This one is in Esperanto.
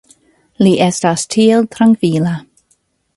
Li estas tiel trankvila.